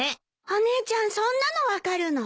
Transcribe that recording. お姉ちゃんそんなの分かるの？